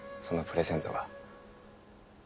そのプレゼントが。